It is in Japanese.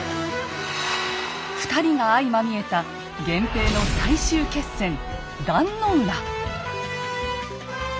２人が相まみえた源平の最終決戦壇の浦。